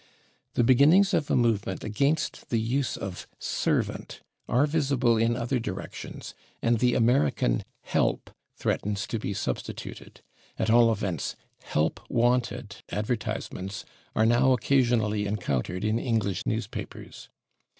The beginnings of a movement against the use of /servant/ are visible in other directions, and the American /help/ threatens to be substituted; at all events, /Help Wanted/ advertisements are now occasionally encountered in English newspapers.